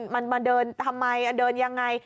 มันมาเดินทำไมเดินยังไง